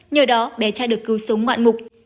nhờ đó bé trai được cứu sống ngoạn mục